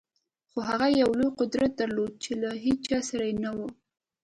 خو هغه یو لوی قدرت درلود چې له هېچا سره نه و